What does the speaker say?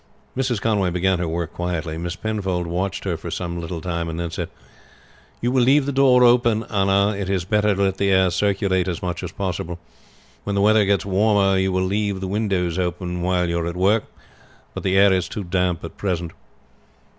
Mrs. Conway began her work quietly. Miss Penfold watched her for some little time, and then said: "You will leave the door open, Anna; it is better to let the air circulate as much as possible. When the weather gets warmer you will also leave the windows open while you are at work; but the air is too damp at present."